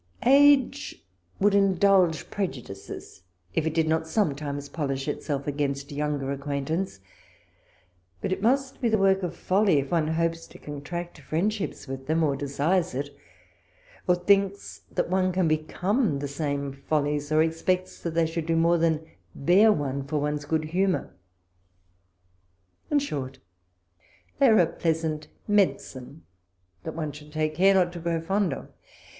Age would in dulge prejudices if it did not sometimes polish itself against younger acquaintance ; but it must be the work of folly if one hopes to contract friendships with them, or desires it, or thinks one can become the same follies, or expects that they should do more than bear one for one's good humour. In short, they are a pleasant medicine, that one should take care not to grow fond of.